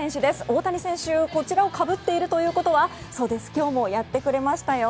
大谷選手、こちらをかぶっているということはそうです今日もやってくれましたよ。